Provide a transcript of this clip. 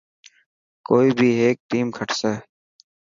ڪوئي بي هيڪ ٽيم کٽسي.